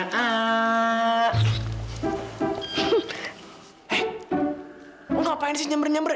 eh lu ngapain sih nyember nyember